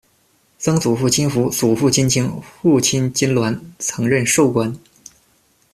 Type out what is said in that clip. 曾祖父金福；祖父金清；父亲金銮，曾任寿官。